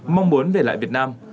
mong muốn về lại việt nam